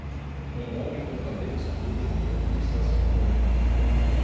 Um homem com cabelo escuro e curto está soldando.